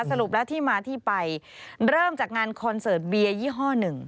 สรุปแล้วที่มาที่ไปเริ่มจากงานคอนเสิร์ตเบียร์ยี่ห้อหนึ่ง